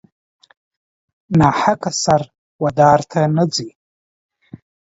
ناحقه سر و دار ته نه ځي.